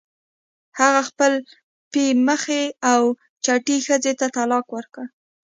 هغه خپلې پی مخې او چټې ښځې ته طلاق ورکړ.